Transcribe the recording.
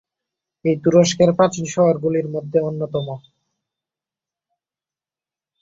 এই তুরস্কের প্রাচীন শহরগুলির মধ্যে অন্যতম।